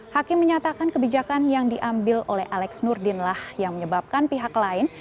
hakim menyatakan kebijakan yang diambil oleh alex nurdinlah yang menyebabkan pihak lain